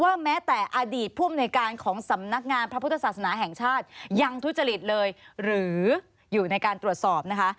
แม้แต่อดีตผู้อำนวยการของสำนักงานพระพุทธศาสนาแห่งชาติยังทุจริตเลยหรืออยู่ในการตรวจสอบนะคะ